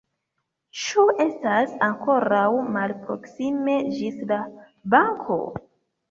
Ĉu estas ankoraŭ malproksime ĝis la banko?